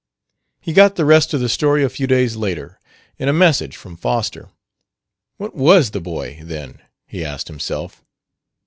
He got the rest of the story a few days later, in a message from Foster. What was the boy, then? he asked himself.